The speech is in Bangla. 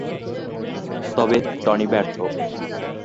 তবে টনি ব্যর্থ।